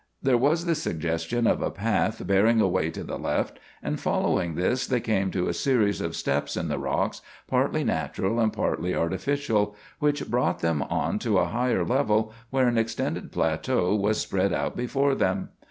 There was the suggestion of a path bearing away to the left, and following this they came to a series of steps in the rocks, partly natural and partly artificial, which brought them on to a higher level where an extended plateau was spread out before them.